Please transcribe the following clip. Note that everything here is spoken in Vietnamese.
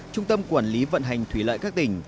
trung tâm quản lý vận hành thủy lợi các tỉnh